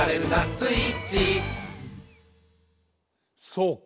そうか。